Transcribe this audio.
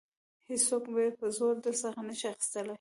هیڅوک یې په زور درڅخه نشي اخیستلای.